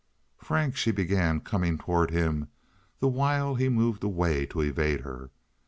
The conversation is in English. "Frank," she began, coming toward him, the while he moved away to evade her.